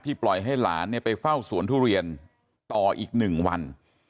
ปล่อยให้หลานไปเฝ้าสวนทุเรียนต่ออีก๑วัน